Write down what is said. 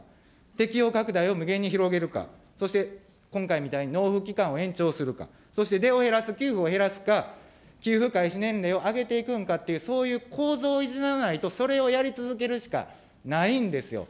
適用拡大を無限に広げるか、そして、今回みたいに納付期間を延長するか、そして出を減らすか、給付を減らすか、給付開始年齢を上げていくんかという、そういう構造をいじらないと、それをやり続けるしかないんですよ。